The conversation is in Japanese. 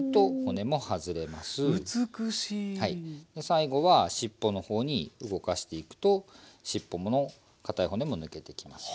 最後は尻尾の方に動かしていくと尻尾のかたい骨も抜けていきます。